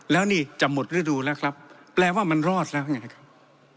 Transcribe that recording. แล้วนี่จะหมดฤดูแล้วครับแปลว่ามันรอดแล้วไงนะครับ